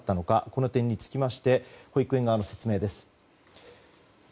この点につきまして保育園側の説明です。